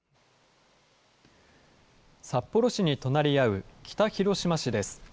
札幌市に隣り合う北広島市です。